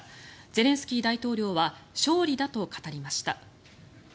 ゼレンスキー大統領は勝利だと語りました。